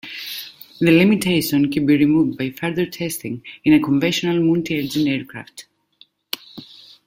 The limitation can be removed by further testing in a conventional multi-engine aircraft.